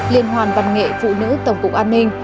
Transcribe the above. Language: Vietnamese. liên hoàn văn nghệ phụ nữ tổng cục an ninh